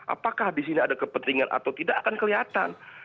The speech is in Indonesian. apakah di sini ada kepentingan atau tidak akan kelihatan